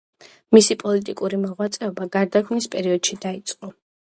მისი პოლიტიკური მოღვაწეობა გარდაქმნის პერიოდში დაიწყო.